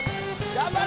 頑張れ！